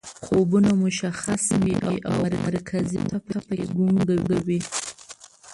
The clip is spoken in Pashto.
خوبونه مشخص نه وي او مرکزي نقطه پکې ګونګه وي